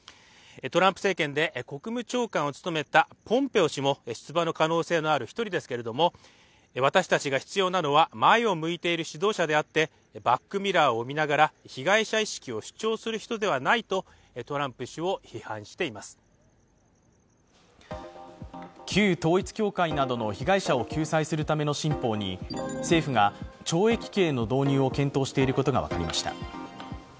トランプ政権で国務長官を務めたポンペオ氏も出馬の可能性のある１人ですけれども、私たちが必要なのは前を向いている指導者であってバックミラーを見ながら被害者意識を主張する人ではないと旧統一教会などの被害者を救済するための新法に政府が懲役刑の導入を検討していることが分かりました。